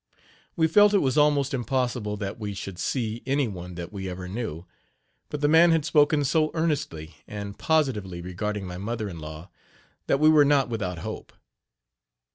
We felt it was almost impossible that we should see any one that we ever knew; but the man had spoken so earnestly and positively regarding my mother in law that we were not without hope.